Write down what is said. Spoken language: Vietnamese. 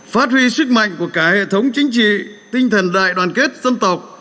phát huy sức mạnh của cả hệ thống chính trị tinh thần đại đoàn kết dân tộc